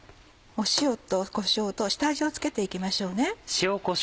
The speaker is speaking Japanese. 塩とこしょうと下味を付けて行きましょうね。